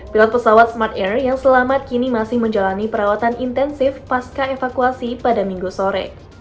pilot pesawat smart air yang selamat kini masih menjalani perawatan intensif pasca evakuasi pada minggu sore